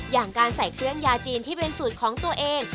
อย่างการใส่เครื่องยาจีนที่เป็นสูตรของตัวเอง